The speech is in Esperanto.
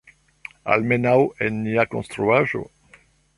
Almenaŭ, en nia konstruaĵo.